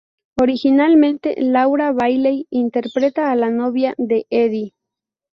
Originalmente Laura Bailey interpretaba a la novia de Eddy.